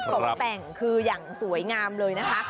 ตกแต่งคืออย่างสวยงามเลยนะคะ